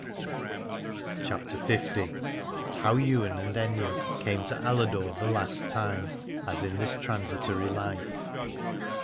312 CHAPTER L. HOW YWAIN AND AITHNE CAME TO ALADORE THE LAST TIME, AS IN THIS TRANSITORY LIFE.